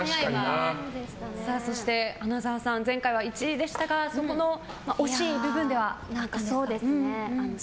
そして、花澤さん前回は１位でしたが惜しい部分ではありますが。